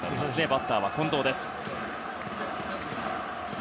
バッターは近藤です。